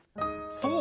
そう！